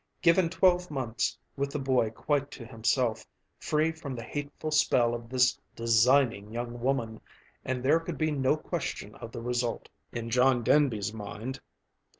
Given twelve months with the boy quite to himself, free from the hateful spell of this designing young woman, and there could be no question of the result in John Denby's mind.